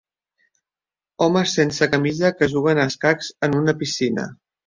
Homes sense camisa que juguen a escacs en una piscina.